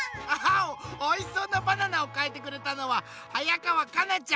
おいしそうなバナナをかいてくれたのははやかわかなちゃん。